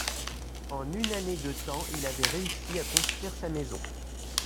En une année de temps il avait réussi à construire sa maison.